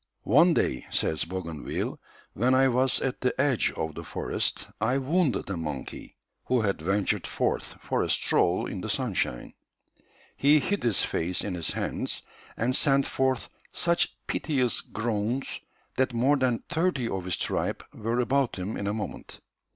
"One day," says Bougainville, "when I was at the edge of the forest, I wounded a monkey who had ventured forth for a stroll in the sunshine. He hid his face in his hands and sent forth such piteous groans that more than thirty of his tribe were about him in a moment.